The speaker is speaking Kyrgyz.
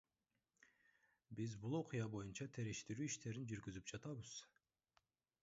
Биз бул окуя боюнча териштирүү иштерин жүргүзүп жатабыз.